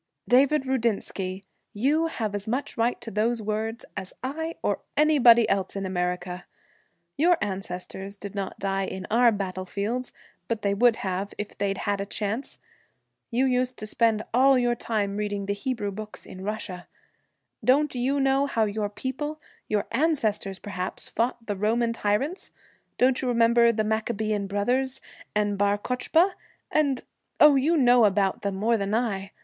'David Rudinsky, you have as much a right to those words as I or anybody else in America. Your ancestors did not die on our battlefields, but they would have if they'd had a chance. You used to spend all your time reading the Hebrew books, in Russia. Don't you know how your people your ancestors, perhaps! fought the Roman tyrants? Don't you remember the Maccabean brothers, and Bar Kochba, and oh, you know about them more than I!